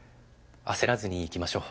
焦らずにいきましょう。